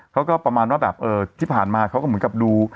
ประมาณว่าแบบที่ผ่านมาเขาก็เหมือนกับดู